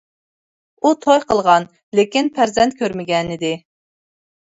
ئۇ توي قىلغان، لېكىن پەرزەنت كۆرمىگەنىدى.